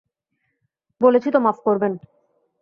বলেছি তো, মাফ করবেন!